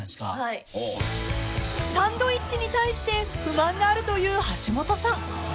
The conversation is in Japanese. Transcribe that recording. ［サンドイッチに対して不満があるという橋本さん］